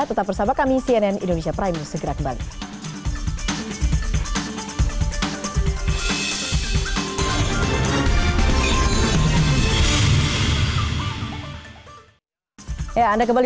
tetap bersama kami cnn indonesia prime news segera kembali